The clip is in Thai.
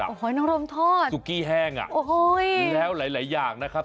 โหยน้องรมทอดโหยน้องรมทอดสุกี้แห้งแล้วหลายอย่างนะครับ